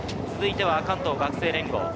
続いては関東学生連合。